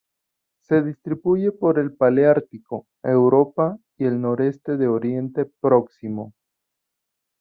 Se distribuye por el paleártico: Europa y el noroeste de Oriente Próximo.